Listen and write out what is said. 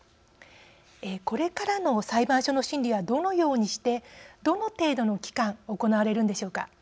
これからの裁判所の審理はどのようにしてどの程度の期間行われるのでしょうか。